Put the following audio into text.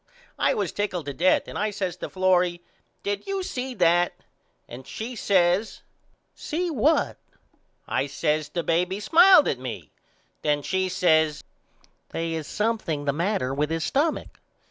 I was tickled to death and I says to Florrie Did you see that. And she says See what. I says The baby smiled at me. Then she says They is something the matter with his stumach.